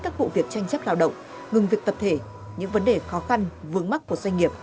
các vụ việc tranh chấp lao động ngừng việc tập thể những vấn đề khó khăn vướng mắt của doanh nghiệp